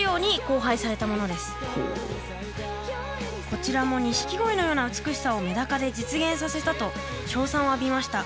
こちらも錦鯉のような美しさをメダカで実現させたと称賛を浴びました。